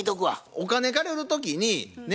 お金借りる時にね